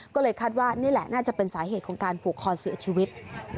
ก็เลยคาดว่านี่แหละน่าจะเป็นสาเหตุของการผูกคอเสียชีวิต